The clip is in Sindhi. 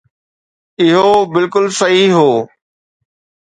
اهو بلڪل صحيح هو